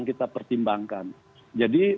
kita pertimbangkan jadi